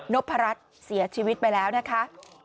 พรัชเสียชีวิตไปแล้วนะคะ